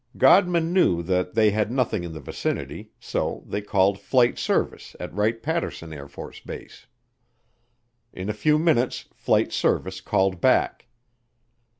Godman knew that they had nothing in the vicinity so they called Flight Service at Wright Patterson AFB. In a few minutes Flight Service called back.